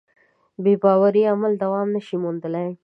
بېباوره عمل دوام نهشي موندلی.